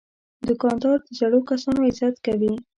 دوکاندار د زړو کسانو عزت کوي.